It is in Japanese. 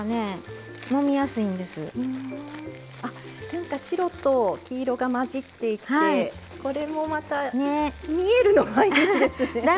何か白と黄色が混じっていってこれもまた見えるのがいいですね。